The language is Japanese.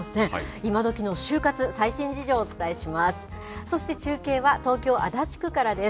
今どきの就活、最新事情をお伝えします。